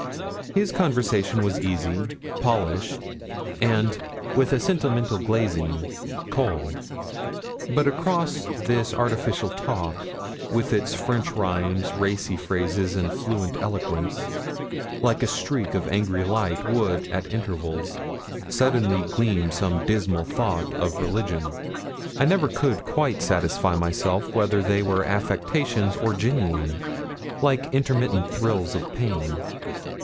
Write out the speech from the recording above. His conversation was easy, polished, and, with a sentimental glazing, cold; but across this artificial talk, with its French rhymes, racy phrases, and fluent eloquence, like a streak of angry light, would, at intervals, suddenly gleam some dismal thought of religion. I never could quite satisfy myself whether they were affectations or genuine, like intermittent thrills of pain.